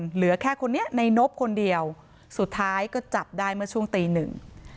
เหลือแค่คนนี้ในนบคนเดียวสุดท้ายก็จับได้เมื่อช่วงตีหนึ่ง